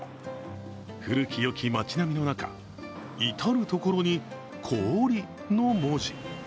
古きよき町並みの中至る所に「氷」の文字。